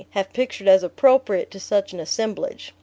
have pictured as appropriate to such an assemblage.